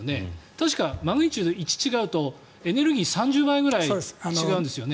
確かマグニチュード１違うとエネルギー３０倍くらい違うんですよね。